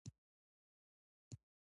زه د یوه پتمن سړی زوی یم.